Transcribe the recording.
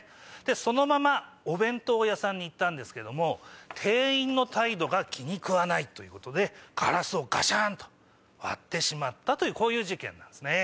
そのままお弁当屋さんに行ったんですけども店員の態度が気に食わないということでガラスをガシャンと割ったという事件なんですね。